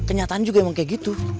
kenyataan juga emang kayak gitu